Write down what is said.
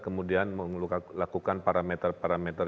kemudian melakukan parameter parameter